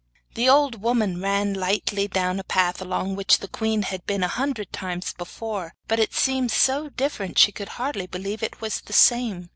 The old woman ran lightly down a path along which the queen had been a hundred times before, but it seemed so different she could hardly believe it was the same.